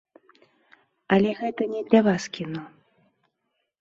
Але гэта не для вас кіно.